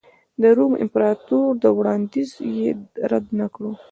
د روم امپراتور دا وړاندیز یې رد نه کړ